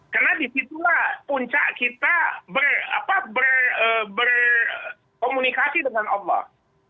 karena disitulah puncak kita berkomunikasi dengan allah